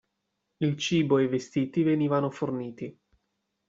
Il cibo e i vestiti venivano forniti.